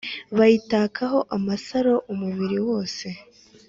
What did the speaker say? bayitakaho amasaro umubiri wose: